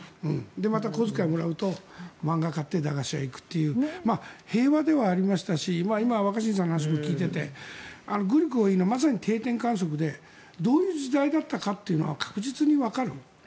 また、小遣いをもらうと漫画を買って駄菓子屋に行くという平和ではありましたし今、若新さんの話も聞いていてグリコがいいのはまさに定点観測でどういう時代だったかってのが確実にわかる。